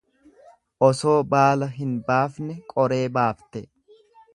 Osoo baala hin baafne, qoree baafte.